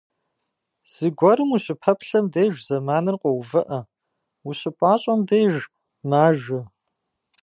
Зыгуэрым ущыпэплъэм деж зэманыр къоувыӏэ, ущыпӏащӏэм деж - мажэ.